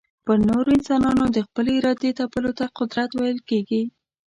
پر نورو انسانانو د خپلي ارادې تپلو ته قدرت ويل کېږي.